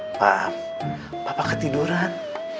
maaf bapak ketiduran